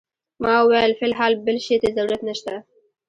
ما وویل فی الحال بل شي ته ضرورت نه شته.